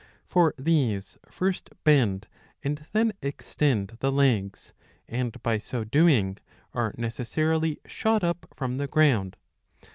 ^^ For these first bend and then extend the legs, and, by so doing, are necessarily sl^ot up from the ground.